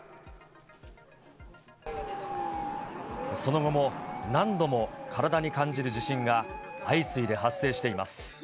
その後も、何度も体に感じる地震が相次いで発生しています。